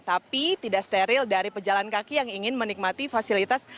tapi tidak steril dari pejalan kaki yang ingin menikmati fasilitas